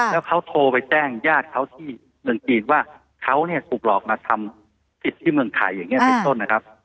แล้วเขาโทรไปแจ้งญาติเขาที่เมืองจีนว่าเขาเนี่ยถูกหลอกมาทำสิทธิ์ที่เมืองไทยอย่างนี้เป็นต้นนะครับ